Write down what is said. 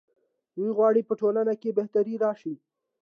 دوی غواړي په ټولنه کې بهتري راشي.